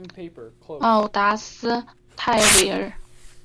奥达斯泰韦尔。